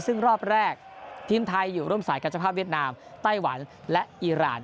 ซึ่งรอบแรกทีมไทยอยู่ร่วมสายการเจ้าภาพเวียดนามไต้หวันและอีราน